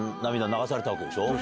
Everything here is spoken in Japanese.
流されたわけでしょ？